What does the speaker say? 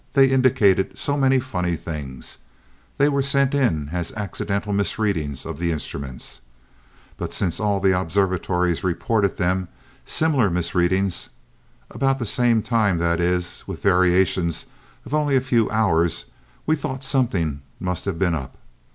They indicated so many funny things, they were sent in as accidental misreadings of the instruments. But since all the observatories reported them, similar misreadings, at about the same times, that is with variations of only a few hours, we thought something must have been up.